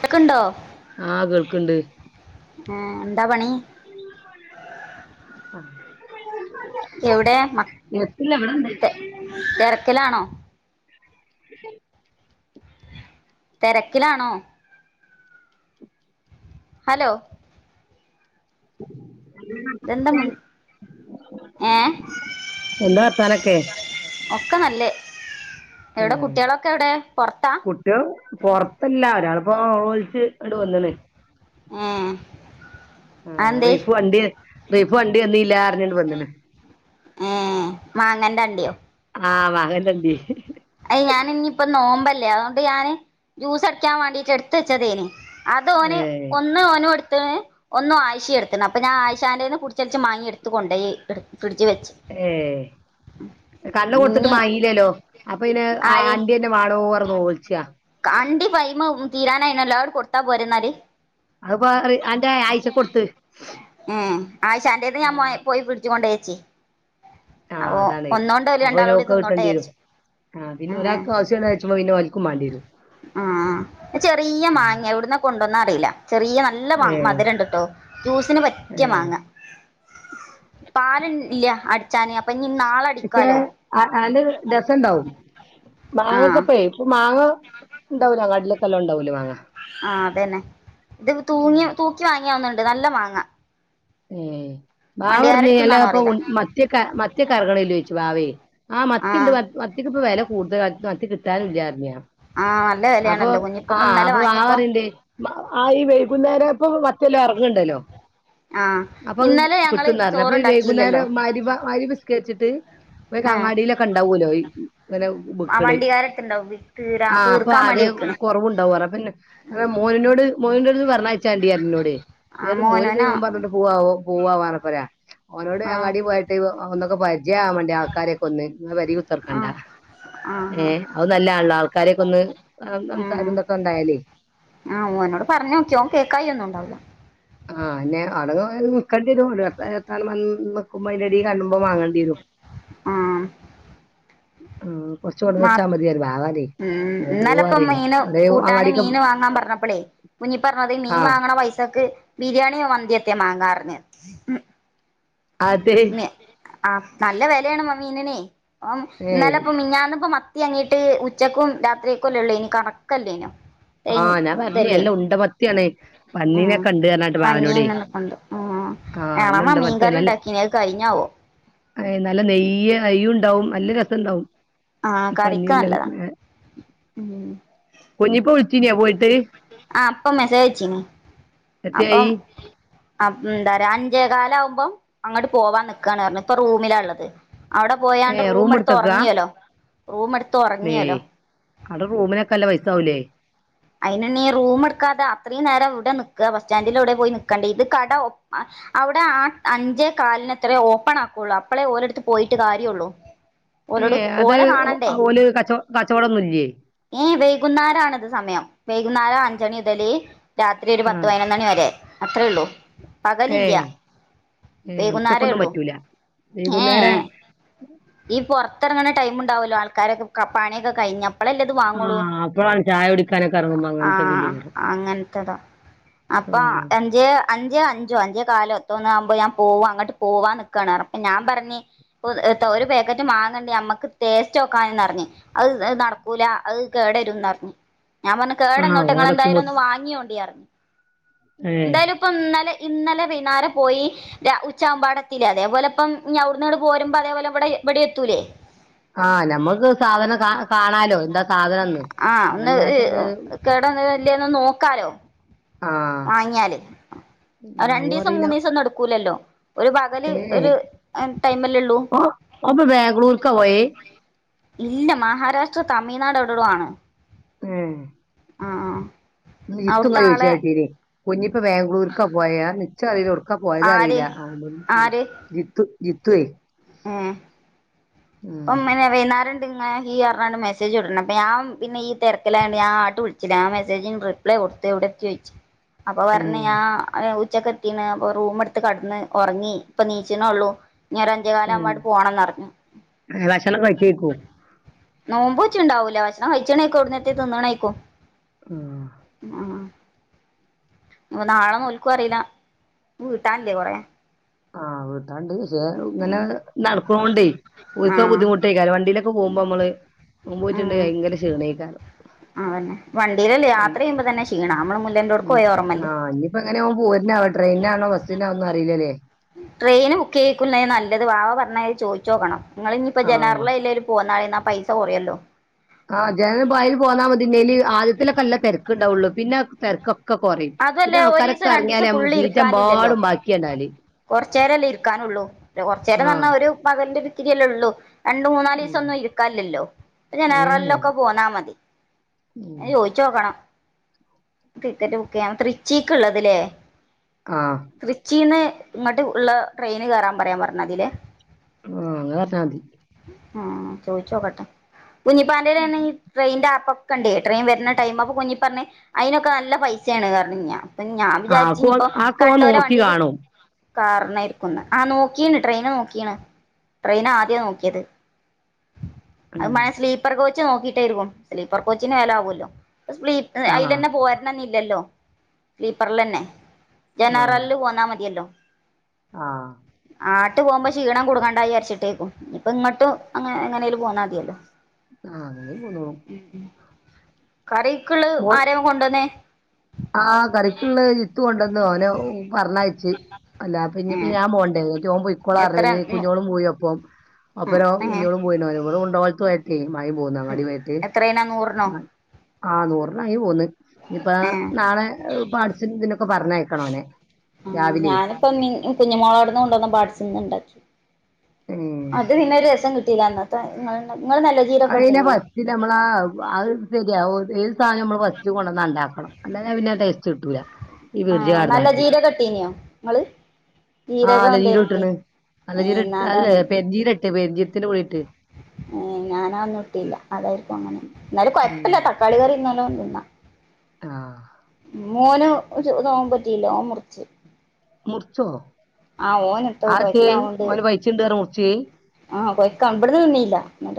കേക്ക്ണ്ടോ ആഹ് കേൾക്ക്ണ്ട് ഏഹ് എന്താ പണി എവിടെ മ അഹ് തെ [unintelligible] തെരക്കിലാണോ [inaudible] തെരക്കിലാണോ ഹലോ ഇതെന്താ മി [inaudible] ഏ എന്താ വർത്താനൊക്കെ ഒക്കെ നല്ലേ എവിടെ ഉം കുട്ടികളൊക്കെ എവിടെ പൊറത്താ കുട്ട്യോള് പൊറത്തല്ല ഒരാളിപ്പോ നെലോലിച്ച് അടു വന്ന്ണ് ഏ ആഹ് അതെന്തേ റീഫു വണ്ടി റിഫ വണ്ടി വന്നീലറിഞ്ഞാണ്ട് വന്നിണ് ഏ മാങ്ങന്റെ അണ്ടിയോ ആഹ് മാങ്ങൻ്റണ്ടി അഅ് ഞാനിനിയിപ്പ നോമ്പല്ലേ അതോണ്ട് ഞാന് ജ്യൂസടിക്കാൻ വാണ്ടീട്ട് എടുത്ത് വെച്ചതേനു അത് ഓന് ഏഹ് ഒന്ന് ഓനോട് തുവെ ഒന്ന് ആയിശെ എട്ത്ത്ണ് അപ്പൊ ഞാ ആയിശാൻ്റതിന് പുട്ച്ചൽച്ച്‌ മാങ്ങിട്ത്തു കൊണ്ടോയി എട് ഏഹ് കണ്ണ് കൊടുത്തിട്ട് ഇഞ്ഞി മായീല്ലെല്ലോ അപ്പൊ പിന്നെ ആഹ് ആര് ആന്റിന്ന വാണോർന്ന്പർഞ്ഞൊലൽച്ച കണ്ടി പൈമ തീരാനായിനല്ലോ അ അട് കൊടുത്താ പോരെന്നാല് അത്പ്പോ അത് അന്റെ ആയ്ഷകൊട്ത്ത് ഉം ആയിഷാൻ്റെത് ഞാൻ മൗ പോയി ഫ്രിഡ്ജ് കൊണ്ടേച്ച് ആഹ് അതാണ് അപ്പൊ പിന്നെ കൂടി ഓക്ക് തിന്നോട്ടെ കിട്ടേണ്ടിരും വിചാരിച്ചു ആഹ് പിന്നെ ഒരാക്ക് ആവശ്യം ഇള്ളചുമ്പോ പിന്നെ ഒല്ക്കും മാണ്ടിരും ആഹ് ചെറിയ മാങ്ങയാ എവിട്ന്നാ കൊണ്ടന്നെ അറിയില്ല ചെറിയ നല്ല മ ഏഹ് മധുരണ്ട്ട്ടോ ജ്യൂസിന് പറ്റിയ ഏഹ് മാങ്ങ പാല് ഇ ഇല്ല അടിച്ചാന് അപ്പൊ ഇനി നാളടിക്കാലോ [unintelligible] രസണ്ടാവും ആ മാങ്ങക്കെപോയെ ഇപ്പൊ മാങ്ങ ഇണ്ടാവുല അങ്ങാടിലൊക്കെ നല്ലോ ഉണ്ടാവല്ലോ മാങ്ങ ആ അതെന്നെ ഇത് തൂങ്ങി ഉം തൂക്കി വാങ്ങിയാവന്നണ്ട് നല്ല മാങ്ങ ഏ ബാവ പറഞ്ഞ് എല്ല വണ്ടിയാരെടുത്തുന്നാണോ ഇപ്പൊ അറിയില്ല മത്തിയൊക്കെ മത്തിയൊക്കെ എറങ്ങണില്ലോയ്ച്ച് വാവേയെ ആഹ് ആ മത്തിണ്ട് മത്തിക്കിപ്പൊ വെല കൂടുതലായി മത്തി കിട്ടാനും ഇല്ല്യ ർത്ത് ഞാൻ ആഹ് അപ്പൊ ആ അപ്പൊ വാവ പറീനിണ്ട് ആ ഈ വൈകുന്നേരായപ്പോ [unintelligible] ഇറങ്ങണ്ടെല്ലോ ആഹ് ഇന്നലെ ഞങ്ങള് അപ്പൊകിട്ട്ന്ന് പറഞ്ഞ് അപ്പൊ ഈ ചോറുണ്ടാക്കിയില്ലല്ലോ വൈകുന്നേരം മഗ്‌രിബ മയ്രിബ് നിസ്കരിച്ചിട്ട് [unintelligible] ആഹ് അങ്ങാടിയിലൊക്കെ ഇണ്ടാവോലോ ഇങ്ങനെ ആ ബിക്ക്ണ് വണ്ടിക്കാരടുത്തുണ്ടാവും തീരാ ആഹ് അപ്പൊ തീർക്കാൻ വേണ്ടി ആദെ വെക്കണ് കുറവുണ്ടാവും പറഞ്ഞ് പിന്നെ മോനിനോട് മോനുൻ്റട്ത്ത് പറഞ്ഞയ്ച്ചാണ്ടി പറഞ്ഞിന്നോട് ആ വേറെ മോന് മോനോനാ നോമ്പാറ പോവാ വാ ർഞ്ഞപ്പൊ റിയ ഓനോട് ആഹ് അങ്ങാടി പോയിട്ട് ഒന്നൊക്കെ പയി ജ് ആ വാണ്ടി ആൾക്കാരെക്കൊന്ന് പെരി കുത്ർക്കണ്ട. ആഹ് ആഹ് ഏഹ് അഹ് നല്ലാൺല്ലോ ആൾക്കാരെക്കൊന്ന് അം ഉം അംസാരം തൊക്കെ ണ്ടായാല് ആഹ് ഓനോട് പർഞ്ഞോക്കി ഓൻ കേക്കായി ഒന്നുംണ്ടാവ് ല ആഹ് ആട പോയാ ങ്‌ നിക്കണ്ട്യരു. [unintelligible] നിക്കുമ്പോ അയിന്റെടേ കണ്ണും പ്പം വാങ്ങേണ്ട്യരും ആഹ് ആഹ് മാ ഉം ഓൻ ന്നലെ പോവാ പ്പം അറിയില്ല മീന് അവിടെ കൂട്ടാന് അങ്ങാടിക്ക് മീന് വാങ്ങാൻ പറഞ്ഞപ്പളേ കു ഞ്ഞിപ്പ പർഞാതിരി മീൻ ആ വാങ്ങണ പൈസക്ക് ബിരിയാണ്യോ മന്തി ഏതേം മാങ്ങാർഞ്ഞ് അതെ ആഹ് നല്ല വെലേണ് മ മീന് നെ. ഓം ഏ ഇന്നലെപ്പം മിനിഞ്ഞാന്ന് പ്പം മ ത്യാങ്ങിയിട്ട് ഉച്ചക്കും രാത്രിക്കുംല്ലേ ഉള്ളേഞ്ഞി. കണക്കല്ലേഞ്ഞോ ആഹ് ഞാൻ പർഞ് എല്ലാ ഉണ്ട മത്തിയാണേ. ഉം പൻന്നീനെക്കെ ഇണ്ട് അർഞ്ഞണ്ട് ബാവനോടേ പഞ്ഞിയന്നണ്ട് ഉം ആഹ് നല്ല എളമ ഉണ്ട മത്തിയാ മീൻകറി നല്ല ഉണ്ടാക്കീനി അത് കഴിഞ്ഞാവോ ഏഹ് നല്ല നെയ്യ് അയ്യു ഉണ്ടാവും നല്ല രസണ്ടാവും ആഹ് പന്നീന്റെ കറിക്കാല്ലതാ ഏഹ് ഉം കുഞ്ഞിപ്പ വിളിച്ചീഞ്യോ പോയിട്ട്!? ആഹ് ഇപ്പം മെസേജ് അയ്ച്ചിന് അപ്പം എത്തയായി? അപ് ഉം ന്താറ്യ അഞ്ചേ കാലാഉമ്പം അങ്ങട്ട് പോവാൻ നിക്കാണ് ആറ്ഞ്ഞു ഇപ്പൊ റൂമിലാ ഇള്ളത് ഔടെ പോയാണ്ട് ഏഹ് റൂമ് എടുത്ത് ഒറങ്ങിയേല്ലോ വേയ് ഔടെ റൂമ്നൊക്കെ അല്ല പൈസ ആവൂലെ അയിനിണീ റൂമ് ഇട്ക്കാതെ അത്രീം നേരം ഇവ്ടെ നിക്ക ബസ് സ്റ്റൻഡിലൗ ടെം പോയി നിക്കണ്ടെ. ഇത് കട ഒപ്പ് ഔടെ ആ അഞ്ചേ കാലിനത്രെ ഓപ്പൺ ആക്കൊള്ളു അപ്പളേ ഓരെടുത്ത് പോയിട്ട് കാര്യൊള്ളൂ ഏഹ് അത് ഓ അഹ് ഓല് കച്ചൊ കച്ചോടൊന്നുല്ലേ ഏഹ് വൈകുന്നേരണത് സമയം വൈകുന്നേരം അഞ്ചണി ഉതല് രാത്രി ഒരു പത്ത് ആഹ് പയ്നൊന്ന് അണി വെരെ അത്രേ ഒള്ളൂ പകലില്ല്യ ഏഹ് ഏഹ് വൈകുന്നരേ ഉച്ചക്കൊന്നും ഒള്ളു പറ്റൂല ഏ എ വൈകുന്നേരം ഈ പൊറ്ത്ത് തൊങ്ങ്ണെ ടൈമ് ഇണ്ടാവൊല്ലൊ. ആൾക്കാരൊക്കെ കപ്പ് പാണ്യക്കെ കഴിഞ്ഞപ്പ് ആഹ് അപ്പോഴാണ് ചായ കുടിക്കാനൊക്കെ എറങ്ങുമ്പോ അങ്ങനത്തെ ഇതില് ആഹ് കേറും അങ്ങൻത്തതാ അപ്പൊ ആഹ് അഞ്ചെ അഞ്ച് അഞ്ചോ അഞ്ചേ കാലോ എത്തോന്ന് ആവുമ്പെ ഞാൻ പോവാ അങ്ങട്ട് പോവാ നിക്കാണ് [unintelligible] റപ്പഞ്ഞപ്പ ഞാൻ പറഞ്ഞ് [unintelligible] പേക്കറ്റ് മാങ്ങ്ണ്ട് ഞമ്മക്ക് ടേസ്റ്റോക്കാന്നറഞ്ഞ്. അഹ് അഹ് നടക്കൂല അഹ് കേടരുംന്നറ്ഞ്ഞ് ഞാൻ പറഞ്ഞ് ആഹ് കേടന്നോട്ടെ ഓടെത്തുമ്പോ ഇങ്ങളെന്തായലൊന്ന് വാങ്ങ്യോണ്ടിയ റ്ഞ്ഞ്. ഏഹ് ഇന്തായാലും ഇപ്പൊ ഇന്നലെ ഇന്നലെ വൈന്നാരം പോയി ര ഉച്ചാവുമ്പ അവ്ടെ എത്തീലെ. അതേപലെ ഇപ്പം ഇഞവ്ട്ന്ന് ട് പോരുമ്പോ അതേപോലെ ഇവടെ ഇബടി എത്തൂലേ ആഹ് നമ്മുക്ക് സാധനം കാ കാണാലോ എന്താ സാധനംന്ന് അഹ് കേടന്ന് വല്യെന്ന് നോക്കാലോ ആ വാങ്ങ്യായാല് വാങ്ങും രണ്ടീസം അറിയില്ല മൂന്നീസൊന്നും എടുക്കൂലല്ലോ ഒരു പകല് ഏ എ ഒരു ടൈമല്ലേള്ളൂ ഒ ഓന് ഇപ്പം ബാംഗലൂര്ക്ക പോയെ ഇല്ല മഹാരാഷ്ട്ര കമിഴ്നാട് അവ്ടെ ഔടെ ഔടൊ ആണ് ഉം ആഹ് ആഹ് ജിത്തുങ്ങ ചോദിച്ചിനെ കേട്ടിനി കുഞ്ഞിപ്പ ബാംഗ്ലൂർക്കാ പോയാ [unintelligible] ഇച്ചറീല ഒക്കെ പോയത ആര് അറിയില്ല ഒും ആര് ജിത്തു ജിത്തേ ഓൻ ഇന്നലെ വൈന്നേരം ഹി പറഞ്ഞാ മെസ്സജ്ടുന്ന് ഞാൻ പിന്നെ ഈ തിരക്കിലായി ഞാൻ ആട്ട് വിളിച്ചില്ല ആ മെസേജന് റിപ്ലൈ കൊടുത്ത് എവിടെ എത്തി ചോയ്ച്ചു അപ്പൊ ഏ, പറഞ്ഞ ഞാ ഉച്ചക്കെ എത്തിണ് അപ്പൊ റൂം എടുത്ത് കടന്ന് ഉറങ്ങി ഇപ്പൊ നീച്ചനെ ഉള്ളു ഇഞ് ഒരു അഞ്ചേ കാൽ ആവുമ്പോ ഉം. അങ്ങട്ട് പോണംന്ന് പറഞ്ഞു ഭക്ഷണം കഴിച്ചേക്കോ നോമ്പ് ഒച്ച ഇണ്ടാവൂല ഭക്ഷണം കഴിച്ചണക്കോ അടന്നത്തെ തിന്നണേക്കോ ഉം. ആ നാളെ നോൽക്കും അറിയില്ല വീട്ടാനല്ലേ കൊറ ആഹ് വീട്ടാണ്ട് പക്ഷെ ഇങ്ങനെ നടക്കോണ്ടേ പോയിക്കോ ആഹ് ബുദ്ധിമുട്ടേക്കാലും വണ്ടിയിലൊക്കെ പോകുമ്പോ നമ്മള് മുമപ പോയിട്ടുണ്ട് ഭയങ്കര ക്ഷീണീക്കാലും ആതന്നെ വണ്ടിയിലല്ലേ യാത്ര ചെയ്യുമ്പോ തന്നെ ക്ഷീണ നമ്മള് മുല്ലൻ്റോട്ട പോയ ർമ്മല്ലേ അങ്ങനെ പോക്പ പോരനാവോ ട്രെയിനാണോ ബസ്സിനാവോന്ന അറിയില്ലല്ലേ ട്രെയിൻ ബുക്ക് ചെയ്ക്കുന്ന നല്ലത് വാ പറഞ്ഞത് ചോദു നോക്കണം നിങ്ങിനിയിപ്പോ ആഹ് ജനാറില ഇല്ലൽ പോകുന്നാള എന്നാൽ പൈസ കുറയല്ലോ ആഹ് ഞാൻ വായൽ പോന്നാൽ മതിന്നേല് ആദ്യത്തിലൊക്കെല്ല തിരക്കുണ്ടാവുള്ളു പിന്നെ തിരക്കൊെ ഒക്കെ കുറയും അതുവല്ല പിന്നെ ഒരീസം ആൾക്കാരൊക്കെ രണ്ടീസം അറഞ്ഞാലേ സീറ്റ എമ്പാടും ബാക്കിയ ഉണ്ടല് കുറച്ചുരംല്ലേ ഇരിക്കാനുള്ളൂ കുറച്ച ആഹ് നേരംന്ന ഒരു പകൽ ന്റെ ഇത്തിരിയല്ലേ ഉള്ളൂ രണ്ട മൂന്നാല് ദിവസം ഉം ഒന്നും ഇരിക്കല്ലല്ലോ അപ്പ ഞന റല്ല ഏഹ് ഒക്കെ പോന്നാ മതി ഉം ചോയിച്ച നോക്കണം ടിക്കറ്റ് ബുക്ക് ചെയ്യണം തൃച്ചിക്ക്ള്ളതിലേ ആഹ് തൃച്ചിന്ന് ഇങ്ങോട്ട് ഉള്ള ട്രെയിന് കയറാൻ പറയാൻ പറഞ്ഞമതിലെ ആഹ അ പറഞ്ഞാതി ആ ചോദിച്ച നോക്കട്ടെ കുഞ്ഞിപ്പായുടെ തന്നെ ഈ ട്രെയിന്റെ കണ്ടേ എത്രയും വരുന്ന ടൈം അപ്പൊ കുഞ്ഞി പറഞ്ഞഞ് അതിനൊക്കെ നല്ല പൈസ ണ് കാരണം അപ്പൊ ഞാൻ ആഹ് വിചാരിച്ച അതൊക്കെ ഓൻ ഇയിപ്പ അതൊക്കെ കണ്ട ഓൻ പോലെ നോക്കി വണ്ടിയില് കാണും കാറിനായിരിക്കുംന്ന് ആഹ നോക്കീണ് ട്രെയിന് നോക്കീണ് ട്രെയിൻ ആദ്യ നോക്കിയത് അത് ഉം മഴ സ്ലീപ്പർ കോച്ച് നോക്കിട്ടായിരിക്കും സ്ലീപ്പർ കോച്ചിന് വില ആവുമല്ലോ സ്ലീ ആഹ് അതിൽന്നെ പോരണന്ന ഇല്ലല്ലോ സ്ലീപ്പറൽ തന്നെ ജനർല്ല പോന്നാ മതിയല്ലോ ആഹ ആട്ട് പോകുമ്പോ ക്ഷീണം കുടുങ്ങേണ്ട വിചരിച്ചിട്ടേക്കും ഇപ്പ ഇങ്ങോട്ട് അങ്ങനെ എങ്ങനെും പോന്നാ മതില്ലോ ആഹ് അങ്ങനെ പോന്നോളും കറികള് ആര കൊണ്ടുവന്നേ ആ കറിക്കുള്ള ഇത്തൊണ്ടന്ന അവന പറഞ്ഞായി അല്ല പിന്ന ഏ ഇപ്പ ഞാൻ പോകണ്ടേ പോഓ പോ ഇക്കള എത്ര ഉം കുഞ്ഞോളും പോയി അപ്പം അപ്പൊ ഉം ഏ കുഞ്ഞോൾ പോയിന്നട് മുണ്ടാകുളത് മഴ പോകുന്ന അങ്ങടിയ ആമായിട്ട് നൂർനോ ആ നൂറിലങ്ങി പോന്നു ഇപ്പ ഏ നാളെ അഠിച്ച ഇതിനൊക്കെ പറഞ്ഞയക്കണ അവനെ ആഹ് ഞാനിപ്പൊ കുഞ്ഞുമമോളാടുന്ന് കൊണ്ടോന്ന പാടിച്ചുന്ന് ഇണ്ടാച്ചു ഉം അത് പിന്നെരു രസം കിട്ടിയില്ല എന്നന്നത്തെ നിങ്ങ അതിനെ പറ്റി നമ്മളാ ശരിയാ ം നമ്മൾ വസ് കൊന്ന ഉണ്ടാക്കണം അന്നെ ടേസ്റ്റ് കിട്ടൂല്ല ആഹ നല്ല ജീരകട്ടീനിയോ ങ്ങള് ആ നലചീരം ഇട്ടണ് ഏ നലചീര എന്നാ ഇട്ട് അല്ല അതാണ് പെര്ഞ്ചീര ഇട്ട പേര്ജീരകത്തിന്റെ പൊടിയിട്ട് ഞാനാന്നും ഇട്ടില്ല അതായിരിക്കും അങ്ങനെ എന്നാലും ഉം കുഴപ്പമില്ല തക്കാളി കറി ഇന്നാല ആഹ മൂനതവ പറ്റില്ലോ മുറിച്ച് മുറിച്ചോ ആ ഓൻ എത്തോ ആതെന്തേ ഓൻ പയ്ചിണ്ട് ന്ന് പറഞ്ഞു മുറിചെ ആഹ കൊയ്ക്ക് ബ്ടുന്ന തിന്നീല്ല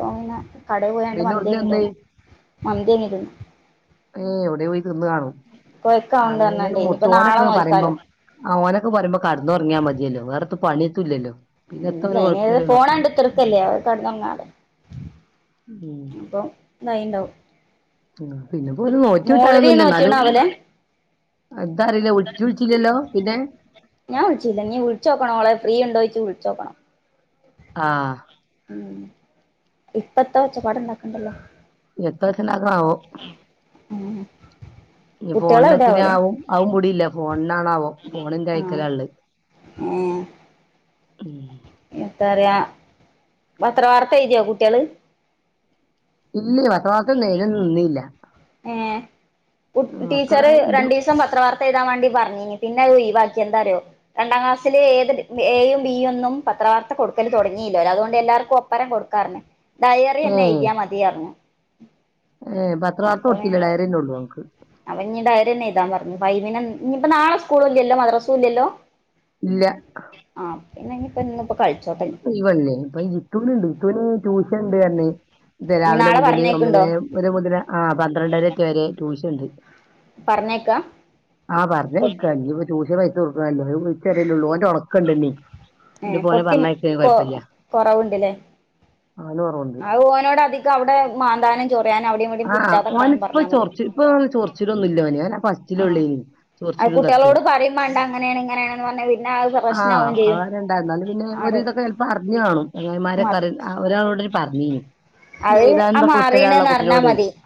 ോങ്ങനെ കട പോയണ്ട് പിന്നെ ഉടനെ മതിയങ്ങിട്ടോ വന്ന് മതി എങ്ങിട്ടന്ന് ഏയ് എവിടെയ പോയി തിന്ന് കാണും അതെ പറഞ്ഞാണ്ടേ മുച്ച് ഇനിയിപ്പോ നാളെ ഓനൊക്കെ നോൽക്കാലോ പറയ്പം ഓനൊക്കെ പറയുമ്പോ കടന്നുറങ്ങിയാ മതിയല്ലോ വേറ പണി തുല്ലല്ലോ ഇല്ല ഇനി ഫോൺ കണ്ട ഉം തീർക്കല്ലേ കെടന്നങ്ങാടെ- ഉം അപ്പൊ വഴി ഇണ്ടാവും ഉം പിന്നെ പോലും നോറ്റി നീ വിട്ടാനൊന്നുമില്ല എന്നാലും നോറ്റീണാവൂലേ എന്താ അറില്ലേ [unintelligible] ച്ചില്ലല്ലോ പിന്നെ ഞാൻ വിളിച്ചില്ല നീ വിളിച്ചോക്കണം ഓളെ ഫ്രീ ഉണ്ടോയിച്ച് വിളിച്ചോക്കണം ആഹ് ഉം ഇപ്പോ എന്തോ ഒച്ച പാട് ഒണ്ടാക്കണ്ടല്ലോ എത്രനക്ക ആവോ ഉം ഇനി കുട്ട്യാള് ഫോണിന്നു എവിടെ വെച്ചാ ആവോലേ ആവും അവൻ ഇവിടെയില്ല ഫോണിനാണോ ആവോ ഫോണും കയ്ക്കല ഉള്ളത് ഉം എന്താ പറയ്ക പത്ര വാർത്ത എഴുതിയോ കുട്ടികള് ഇല്ല പത്ര വാർത്ത ഒണ്ട് അയ്നൊന്നും നിന്നില്ല ഉം നോക്കടെ ടീച്ചറ് എന്റെ രണ്ടു ദിവസം പത്ര വർത്ത എഴുതാൻ വേണ്ടി പറഞ്ഞീ പിന്നെ അത് ലീവാക്കി എന്താ റിയോ രണ്ടാം ക്ലാസ്സില് ഏത് എയും ബിയൊന്നും പത്രവാർത്ത കൊടുക്കല് തൊടങ്ങി ഇല്ല രതുകൊണ്ട് എല്ലാർക്കും ഒപ്പരം കൊടുക്കാർഞ്ഞ് ഡയറി ന്നെ ഏ എയ്തിയാ മതി അർഞ്ഞ് ഏഹ് പത്രവാർത്ത കൊടുത്തില്ല ഡയറിന്നൊള്ളൂ ഓൻക്ക്‌ അത്‌ കഴിഞ്ഞ് ഡയറി തന്നെ എഴുതാൻ പറഞ്ഞു ഫൈവിന് ഇനിയിപ്പം നാളെ സ്കൂള് ഇല്ലല്ലോ മദ്രാസും ഇല്ലല്ലോ? ഇല്ലാ ആഹ് പിന്നെ അതിനുപ്പന്തിനാ ആഹ് ഒഴിവല്ലേ [unintelligible] ജിത്തുന് ജീത്തുന് ട്യൂഷൻ ഉണ്ട്‌ പറഞ്ഞെ ഇന്ന് ഇനി രാവിലെ നാളെ മുതല് പറഞ്ഞേക്കുണ്ടോ ഒമ്പത്തര വരെ മുതൽ ആ പന്ത്രണ്ടരേറ്റ് വരെ ട്യൂഷൻ ഇണ്ട്. പറഞ്ഞെ ആ പറഞ്ഞയക്ക ഇനിയിപ്പോ ട്യൂഷന് പൈസ കൊടുക്കണല്ലോ ഉച്ച വരയല്ലേള്ളു ഓന്റെ ഓണക്കൊണ്ടിന്നി ഏഹ് പൊട്ടിം കൊ കൊറവുണ്ടല്ലേ അവന് കുറവുണ്ട് ആഹ് ഓനോട് അധികം അവിടെ മാന്താനും ചോ ആഹ് ഓന് ഇപ്പം ചൊറിച്ചില് ഇപ്പൊ ചൊറിച്ചിലൊന്നുമില്ല ഓന് ഞാൻ അപ്പം ആണോ അത് കുട്ടികളോട് പറയും വേണ്ട അങ്ങനെയാണ് ഇങ്ങനെയാണന്ന് പറഞ്ഞ പിന്നെ അത് പ്രശ്നാവും ചെയ്യും ഇ എന്നാലും പിന്നെ ആര് ഒരിതൊക്കെ പറഞ്ഞ് കാണും മ ചങ്ങായിമാരെക്കെ അറി ഒരാളോട് പറഞ്ഞീനി അത് ആ മാറീണ്ന്ന് [unintelligible] അറിഞ്ഞാ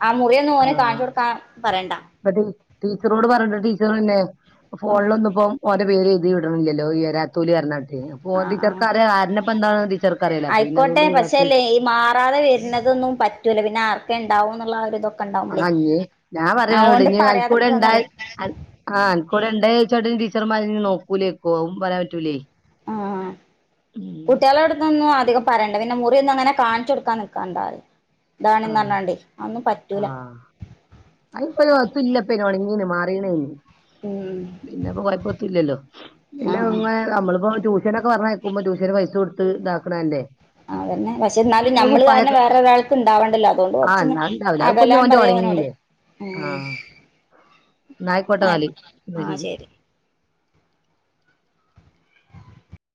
ആ മുറിയൊന്നും ഓനെ ആഹ് കാണിച്ചു കൊടുക്കാൻ പറയണ്ട ഇപ്പ ടീച്ചറോട് പറഞ്ഞിട്ട ടീച്ചർയില്ലെ ആഹ് ഫോണിലൊന്നും ഇപ്പം ഓന്റ് പേര് എഴുതി ലീവ് കിട്ടണല്ലോ ഈ ഒരു രാ തോലിക്കാരണം അ ആഹ് ആഹ് പോണ്ടികാർക്ക് അറിയ ആനപ്പന്തയാണ് ചെറുകരയിലെ അപ്പെ പിന്നെ ആയിക്കോട്ടെ അതുകൊണ്ട് വീടാത്തെ ന്നും പറ്റൂല്ല പിന്നെ ആർക്കെ ഉണ്ടാവും എന്നുള്ള ഒരിത് ആ ഞാൻ പറയോട് അനക്ക് കൂടെണ്ടായ പറയാതെക്കാന്നറിയാ ആ അനക്ക് കൂടെ ഉണ്ടായ ചടുന്തി ടിചെർമാര് ഞ്ഞ് നോക്കൂലേക്കും ഇപ്പോഴും പറയാൻ പറ്റൂലേ ആഹ് ഉം കുട്ടികള് എവിടെ പോയിന്. അധികം പറയണ്ടേന്ന മുറിയൊന്നും അങ്ങനെ കാണിച്ചു കൊടുക്കാൻ നിൽക്കാണ്ടാന്ന്‌. ആഹ് ആഹ് [unintelligible] പിന്നെ ഉണങ്ങീന്ന് മാറീണേന്ന് ഉം പിന്നെപ്പോ കുഴപ്പത്തില്ലല്ലോ പിന്നെ ആഹ് ഇ നമ്മളിപ്പോ ട്യൂഷന്നൊക്കെ പറഞ്ഞ ഉമ്മ ട്യൂഷന് പൈസ കൊടുത്ത് ഇതാക്കണല്ലേ. അതന്നെ പക്ഷെ എന്നാലും അത് നമ്മള് കുപ്പായൊക്കെ കാരണം വേറെരാൾക്ക് ഉണ്ട് ഉണ്ടാവണ്ടല്ലോ, അതുകൊണ്ട് ആ കൊറച്ചന്ന് എന്നാ ഉണ്ടാവില്ല അതിപ്പോ അകലാൻ ഞോന്റെ പറയാ അവനോട് ഉണങ്ങിയില്ലേ ഉം ആ എന്നാ ആയിക്കോട്ടെ ആ എന്നാല് എന്നാ ആഹ് ശരി